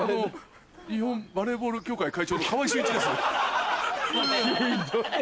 日本バレーボール協会会長の川合俊一です。